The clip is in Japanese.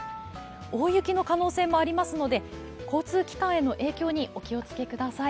大雪の可能性もありますので交通機関への影響にお気をつけください。